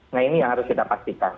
nah ini yang harus kita pastikan